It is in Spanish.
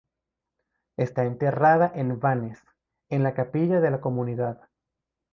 Está enterrada en Vannes, en la capilla de la comunidad.